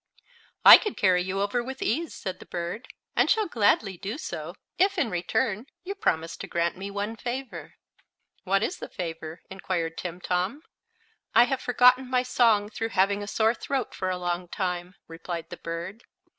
"I could carry you over with ease," said the bird, "and shall gladly do so if, in return, you promise to grant me one favor." "What is the favor?" inquired Timtom. "I have forgotten my song, through having a sore throat for a long time," replied the bird.